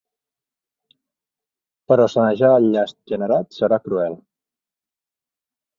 Però sanejar el llast generat serà cruel.